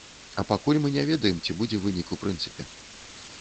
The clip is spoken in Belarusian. А пакуль мы не ведаем, ці будзе вынік у прынцыпе.